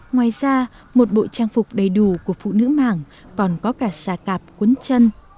ngoài ra một bộ trang phục đầy đủ của phụ nữ mảng còn có cả xà cạp cuốn chân